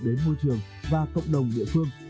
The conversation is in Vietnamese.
đến môi trường và cộng đồng địa phương